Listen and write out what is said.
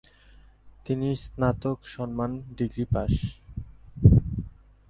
তিনি স্নাতক সম্মান ডিগ্রি পাশ।